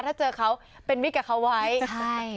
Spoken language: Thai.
ถ้าเจอเขาเป็นมิตรกับเขาไว้ใช่